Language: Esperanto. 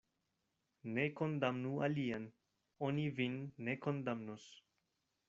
Ne kondamnu alian, oni vin ne kondamnos.